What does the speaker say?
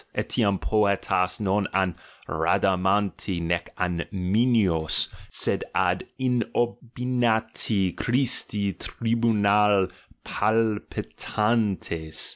Etiam poet as non ad Rhadamanti nee ad Minois, sed ad inopinati Christi tribunal palpitantes!